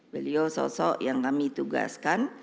beliau sosok yang kami tugaskan